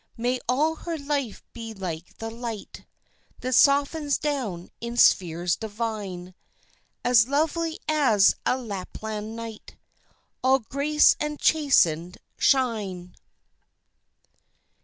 May all her life be like the light That softens down in spheres divine, "As lovely as a Lapland night," All grace and chastened shine!